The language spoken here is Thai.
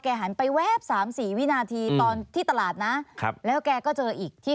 หันไปแวบสามสี่วินาทีตอนที่ตลาดนะครับแล้วแกก็เจออีกที่